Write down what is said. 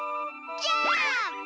ジャンプ！